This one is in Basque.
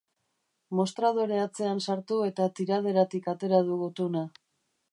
Mostradore atzean sartu eta tiraderatik atera du gutuna.